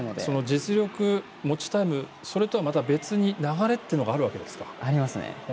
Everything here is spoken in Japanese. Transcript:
実力、持ちタイムそれとは別に流れっていうのがあるわけですか。